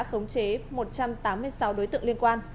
khống chế một trăm tám mươi sáu đối tượng liên quan